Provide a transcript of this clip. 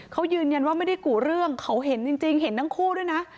เขายืนยันว่าไม่ได้กุเรื่องเขาเห็นจริงเห็นทั้งคู่ด้วยนะ